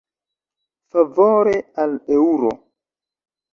Favore al eŭro.